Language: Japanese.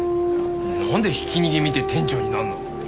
なんでひき逃げ見て店長になるの？